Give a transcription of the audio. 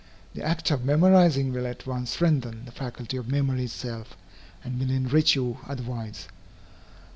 The act of memorizing will at once strengthen the faculty of memory itself, and will enrich you otherwise.